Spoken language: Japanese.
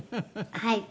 はい」